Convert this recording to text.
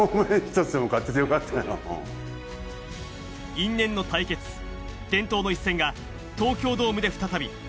因縁の対決、伝統の一戦が東京ドームで再び。